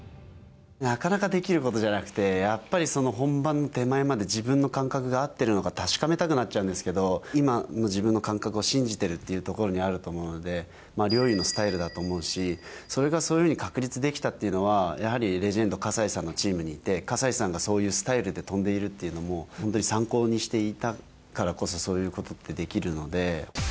なかなかできることじゃなくて、やっぱり本番手前まで自分の感覚が合ってるのか確かめたくなっちゃうんですけど、今の自分の感覚を信じてるっていうところにあると思うんで、陵侑のスタイルだと思うし、それがそういうふうに確立できたっていうのは、やはりレジェンド、葛西さんのチームにいて、葛西さんがそういうスタイルで飛んでいるっていうのを、本当に参考にしていたからこそ、そういうことってできるので。